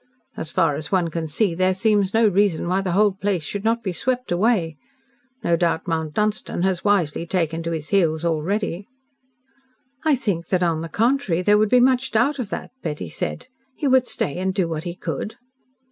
As far as one can see, there seems no reason why the whole place should not be swept away. No doubt Mount Dunstan has wisely taken to his heels already." "I think that, on the contrary, there would be much doubt of that," Betty said. "He would stay and do what he could."